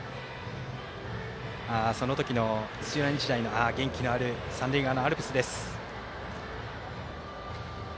その時の土浦日大の元気のある三塁側のアルプスです。